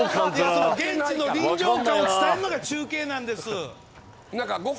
いや、だから、現地の臨場感を伝えるのが中継なんです。